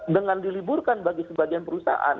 dengan diliburkan bagi sebagian perusahaan